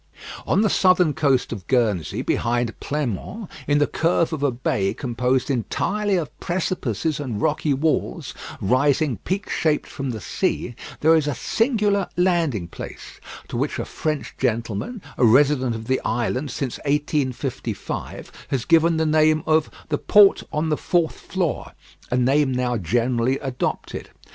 On the southern coast of Guernsey behind Pleinmont, in the curve of a bay composed entirely of precipices and rocky walls rising peak shaped from the sea, there is a singular landing place, to which a French gentleman, a resident of the island since 1855, has given the name of "The Port on the Fourth Floor," a name now generally adopted.